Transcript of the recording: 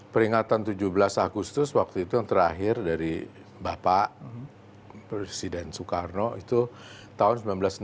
peringatan tujuh belas agustus waktu itu yang terakhir dari bapak presiden soekarno itu tahun seribu sembilan ratus enam puluh